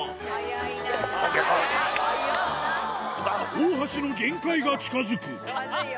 大橋の限界が近づくまずいよ